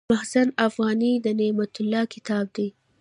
مخزن افغاني د نعمت الله کتاب دﺉ.